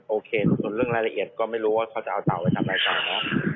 โอเคส่วนเรื่องรายละเอียดก็ไม่รู้ว่าเขาจะเอาเต่าไปทำอะไรต่อเนอะ